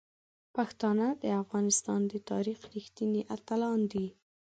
پښتانه د افغانستان د تاریخ رښتیني اتلان دي.